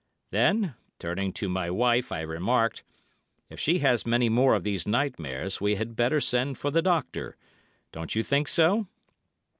Then, turning to my wife, I remarked, 'If she has many more of these nightmares we had better send for the doctor. Don't you think so?